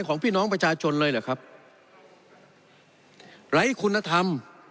ของพี่น้องประชาชนเลยเหรอครับไร้คุณธรรม